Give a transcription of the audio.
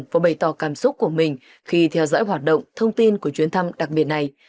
và bày tỏ cảm xúc của mình khi theo dõi hoạt động thông tin của chuyến thăm đặc biệt này